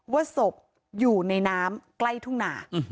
ว่าศพอยู่ในน้ำใกล้ทุ่งหนา